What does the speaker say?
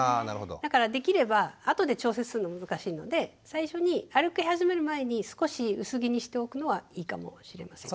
だからできればあとで調節するの難しいので最初に歩き始める前に少し薄着にしておくのはいいかもしれません。